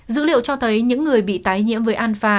dữ liệu cho thấy những người bị tái nhiễm với alpha